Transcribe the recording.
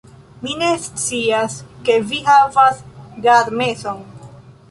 Mi ne scias, ke vi havas gadmeson